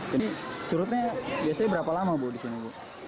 jadi surutnya biasanya berapa lama bu disini bu